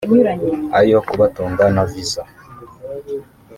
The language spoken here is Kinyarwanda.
ayo kubatunga na viza